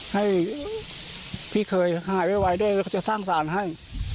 ให้พี่เคยหายไว้ด้วยเขาจะสร้างศาลให้